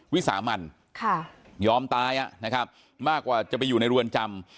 วิสามันยอมตายนะครับมากกว่าจะไปอยู่ในเรือนจำ